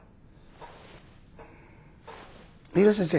三浦先生